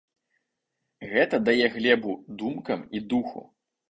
Гэта дае глебу думкам і духу!